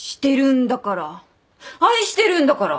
愛してるんだから。